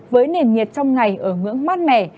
với nền nhiệt trong ngày ở ngưỡng mắt mẻ